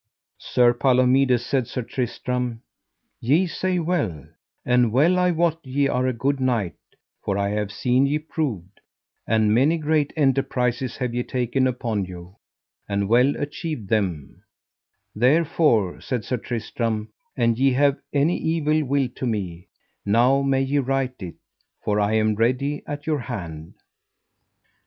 Sir Palomides, said Sir Tristram, ye say well, and well I wot ye are a good knight, for I have seen ye proved; and many great enterprises have ye taken upon you, and well achieved them; therefore, said Sir Tristram, an ye have any evil will to me, now may ye right it, for I am ready at your hand.